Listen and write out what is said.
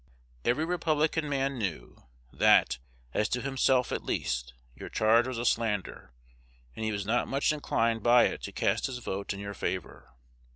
Every Republican man knew, that, as to himself at least, your charge was a slander, and he was not much inclined by it to cast his vote in your favor.